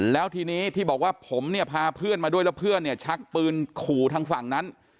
แล้วทีนี้ที่บอกว่าผมเนี่ยพาเพื่อนมาด้วยแล้วเพื่อนเนี่ยชักปืนขู่ทางฝั่งนั้น